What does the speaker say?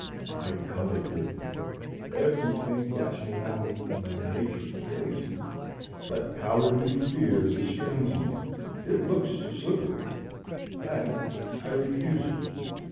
I covet it. Everything gastronomic in my nature craves it, but cowardly fear restrains me (it looks slippery), and I refuse it.